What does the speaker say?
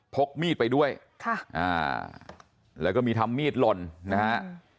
พกมีดไปด้วยค่ะอ่าแล้วก็มีทำมีดหล่นนะฮะ